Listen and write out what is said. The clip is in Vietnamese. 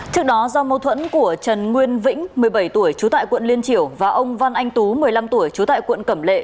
trước đó do mâu thuẫn của trần nguyên vĩnh một mươi bảy tuổi trú tại quận liên triểu và ông văn anh tú một mươi năm tuổi trú tại quận cẩm lệ